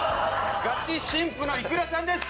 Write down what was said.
ガチ新婦のいくらさんです。